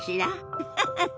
ウフフフ。